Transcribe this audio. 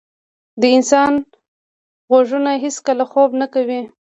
د انسان غوږونه هیڅکله خوب نه کوي.